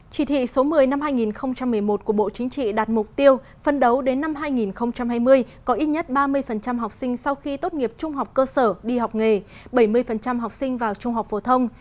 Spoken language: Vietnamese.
chỉ thị số một mươi năm hai nghìn một mươi một của bộ chính trị đạt mục tiêu phân đấu đến năm hai nghìn hai mươi có ít nhất ba mươi học sinh sau khi tốt nghiệp trung học cơ sở đi học nghề bảy mươi học sinh vào trung học phổ thông